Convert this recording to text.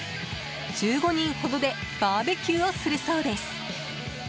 １５人ほどでバーベキューをするそうです。